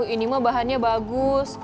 ini mah bahannya bagus